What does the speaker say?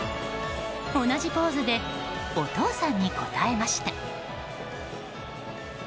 同じポーズでお父さんに応えました。